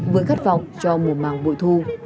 với khát vọng cho mùa màng mùa thu